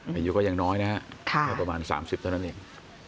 เป็นยุคก็ยังน้อยนะครับประมาณ๓๐ตัวนั้นเอง